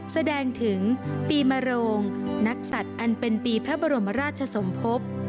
แสดงถึงปีมโรงนักสัตว์อันเป็นปีพระบรมราชสมภพ